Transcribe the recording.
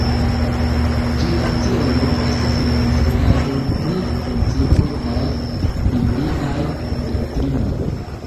Ĝia celo estas la instruado pri principoj kaj bibliaj doktrinoj.